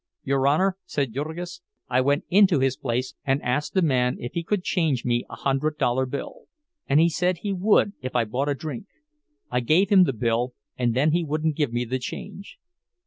"Your Honor," said Jurgis, "I went into his place and asked the man if he could change me a hundred dollar bill. And he said he would if I bought a drink. I gave him the bill and then he wouldn't give me the change."